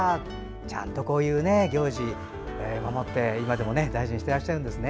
ちゃんと、こういう行事守って今でも大事にしてらっしゃるんですね。